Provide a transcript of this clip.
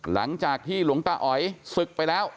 หลังจากที่หลวงตาอ๋อยศึกไปแล้ว